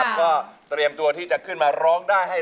อายุ๒๔ปีวันนี้บุ๋มนะคะ